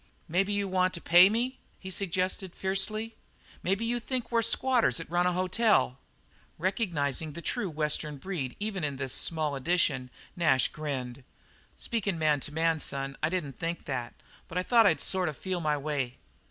"Maybe you want to pay me?" he suggested fiercely. "Maybe you think we're squatters that run a hotel?" Recognizing the true Western breed even in this small edition, Nash grinned. "Speakin' man to man, son, I didn't think that, but I thought I'd sort of feel my way."